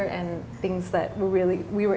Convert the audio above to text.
dan hal hal yang kita